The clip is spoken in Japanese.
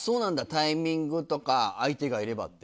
タイミングとか相手がいればって。